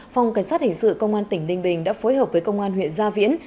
phòng cảnh sát hình sự công an tỉnh ninh bình đã phối hợp với công an huyện gia viễn